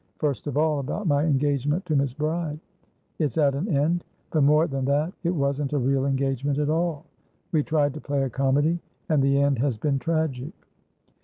First of all, about my engagement to Miss Bride. It's at an end. But more than that it wasn't a real engagement at all. We tried to play a comedy, and the end has been tragic."